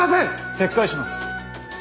撤回します。